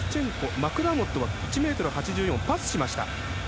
マクダーモットは１ｍ８４をパスしました。